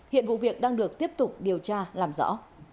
hiện vụ việc đang được tiếp tục điều tra làm rõ